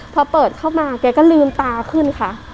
พอเปิดเข้ามาแกก็ลืมตาขึ้นค่ะ